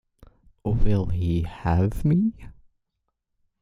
Will he have me?